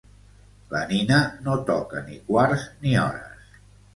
La Nina no toca ni quarts ni hores.